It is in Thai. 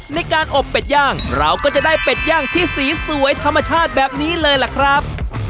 ในการอบเป็ดย่างเราก็จะได้เป็ดย่างที่สีสวยธรรมชาติแบบนี้เลยล่ะครับ